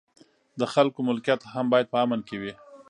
د خلکو ملکیت هم باید په امن کې وي.